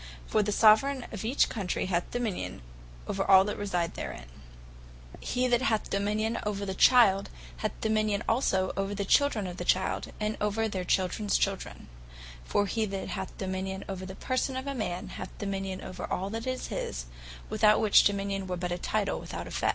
For the Soveraign of each Country hath Dominion over all that reside therein. He that hath the Dominion over the Child, hath Dominion also over their Childrens Children. For he that hath Dominion over the person of a man, hath Dominion over all that is his; without which, Dominion were but a Title, without the effect.